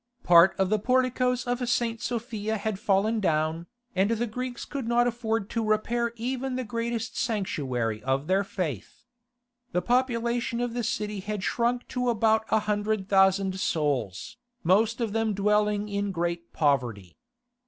Part of the porticoes of St. Sophia had fallen down, and the Greeks could not afford to repair even the greatest sanctuary of their faith. The population of the city had shrunk to about a hundred thousand souls, most of them dwelling in great poverty.